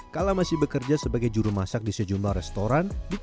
kalau masih bekerja sebagai juru masak di sejumlah restoran di timur tengah kala itu